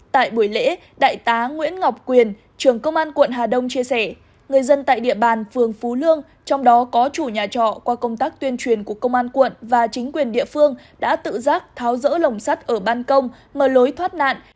tại buổi lễ đại tá nguyễn ngọc quyền trưởng công an quận hà đông chia sẻ người dân tại địa bàn phường phú lương trong đó có chủ nhà trọ qua công tác tuyên truyền của công an quận và chính quyền địa phương đã tự giác tháo rỡ lồng sắt ở ban công mở lối thoát nạn